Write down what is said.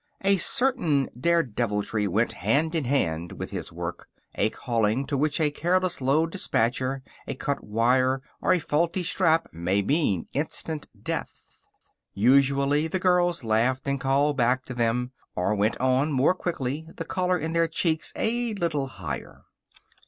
A certain daredeviltry went hand in hand with his work a calling in which a careless load dispatcher, a cut wire, or a faulty strap may mean instant death. Usually the girls laughed and called back to them or went on more quickly, the color in their cheeks a little higher.